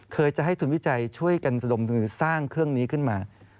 จะให้ทุนวิจัยช่วยกันลงมือสร้างเครื่องนี้ขึ้นมา